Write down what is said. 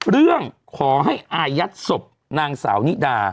เรื่องขอให้อายัดศพนางสาวนิดา